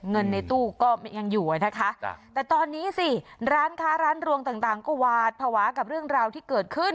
เงินในตู้ก็ยังอยู่อะนะคะแต่ตอนนี้สิร้านค้าร้านรวงต่างก็หวาดภาวะกับเรื่องราวที่เกิดขึ้น